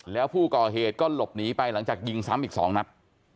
แล้วผู้ก่อเหตุก็หลบหนีไปหลังจากยิงซ้ำอีก๒นัด